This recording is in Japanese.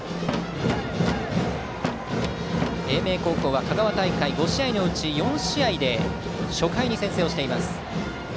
英明高校は香川大会５試合のうち４試合で初回に先制しています。